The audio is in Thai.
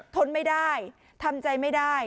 ทนไม่ได้ทำใจไม่ได้